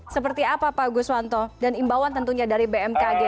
seperti apa pak guswanto dan imbauan tentunya dari bmkg